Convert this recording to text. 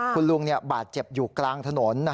คุณลุงบาดเจ็บอยู่กลางถนน